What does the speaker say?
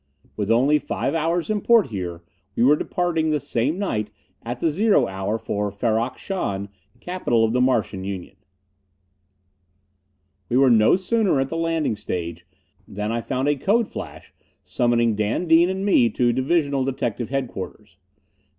With only five hours in port here, we were departing the same night at the zero hour for Ferrok Shahn, capital of the Martian Union. We were no sooner at the landing stage than I found a code flash summoning Dan Dean and me to Divisional Detective Headquarters.